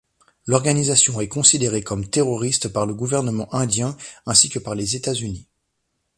L'organisation est considérée comme terroriste par le gouvernement indien, ainsi que par les États-Unis.